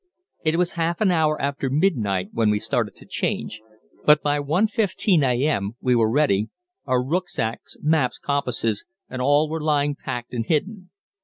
It was half an hour after midnight when we started to change, but by 1.15 a.m. we were ready our rücksacks, maps, compasses, and all were lying packed and hidden.